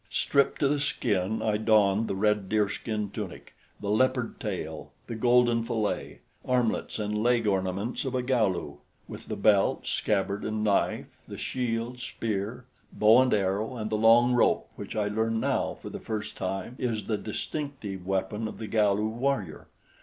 Stripped to the skin, I donned the red deerskin tunic, the leopard tail, the golden fillet, armlets and leg ornaments of a Galu, with the belt, scabbard and knife, the shield, spear, bow and arrow and the long rope which I learned now for the first time is the distinctive weapon of the Galu warrior.